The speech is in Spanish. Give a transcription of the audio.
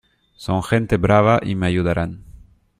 son gente brava y me ayudarán...